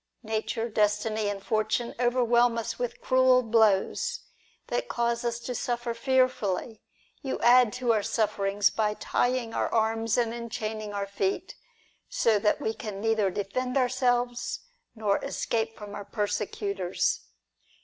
Nature, Destiny, and Fortune overwhelm us with cruel blows, that cause us to suffer fearfully ; you add to our sufferings by tying our arms and enchaining our feet, so that we can neither defend ourselves, nor escape from our persecutors.